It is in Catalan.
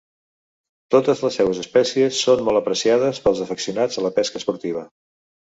Totes les seues espècies són molt apreciades pels afeccionats a la pesca esportiva.